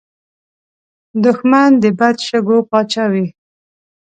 دښمن د بد شګو پاچا وي